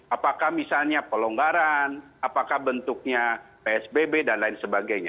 apakah misalnya pelonggaran apakah bentuknya psbb dan lain sebagainya